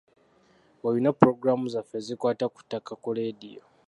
Weeyune Pulogulaamu zaffe ezikwata ku ttaka ku leediyo.